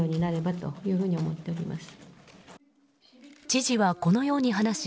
知事はこのように話し